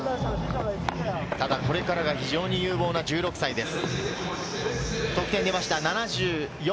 ただ、これからが非常に有望な１６歳です。